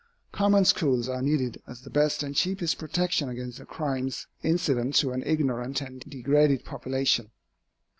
Common schools are needed as the best and cheapest protection against the crimes incident to an ignorant and degraded population.